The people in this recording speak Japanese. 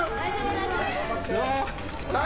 大丈夫！